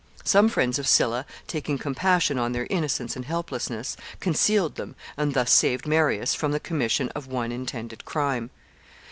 Some friends of Sylla, taking compassion on their innocence and helplessness, concealed them, and thus saved Marius from the commission of one intended crime.